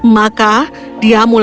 maka dia mulai mencari permata